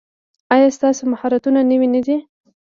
ایا ستاسو مهارتونه نوي نه دي؟